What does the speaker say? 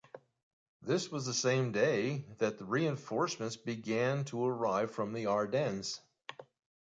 This was the same day that the reinforcements began to arrive from the Ardennes.